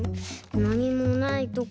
なにもないところから。